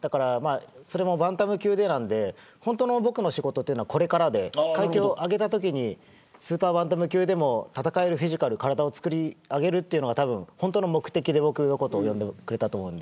それもバンタム級なので本当の僕の仕事はこれからで階級を上げたときにスーパーバンタム級でも戦える体をつくり上げるのが本当の目的で僕のことを呼んでくれたと思うので。